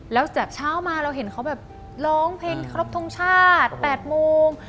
แล้วจากเช้ามาเราเห็นเขาแบบร้องเพลงครบทรงชาติ๘โมง